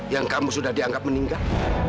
yang kamu sudah dianggap meninggal